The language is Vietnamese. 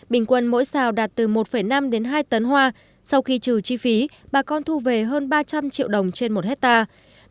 bình quân mỗi xào đạt từ một năm đến hai tấn hoa sau khi trừ chi phí bà con thu về hơn ba trăm linh triệu đồng trên một hectare